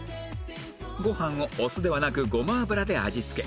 ご飯をお酢ではなくごま油で味付け